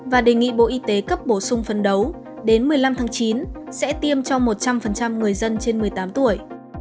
và đề nghị bộ y tế cấp bổ sung phấn đấu đến một mươi năm tháng chín sẽ tiêm cho một trăm linh người dân trên một mươi tám tuổi